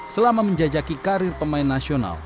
selama menjajaki karir pemain nasional